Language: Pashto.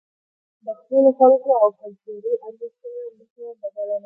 د خپلو خلکو او کلتوري ارزښتونو مخه بدله نکړي.